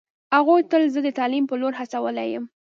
هغوی تل زه د تعلیم په لور هڅولی یم